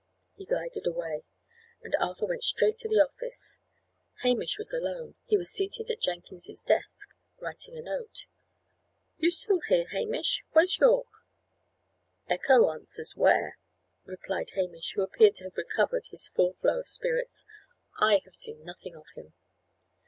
He glided away, and Arthur went straight to the office. Hamish was alone; he was seated at Jenkins's desk, writing a note. "You here still, Hamish! Where's Yorke?" "Echo answers where," replied Hamish, who appeared to have recovered his full flow of spirits. "I have seen nothing of him."